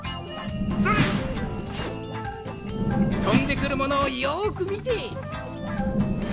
とんでくるものをよくみて。